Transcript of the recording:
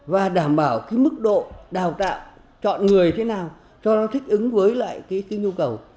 và đảm bảo cái mức độ đào tạo chọn người thế nào cho nó thích ứng với lại cái nhu cầu